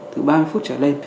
từ ba mươi phút trở lên